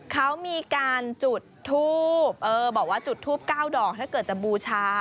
เค้ามีการจุดทูบเก้าดอกถ้าเกิดจะบูชา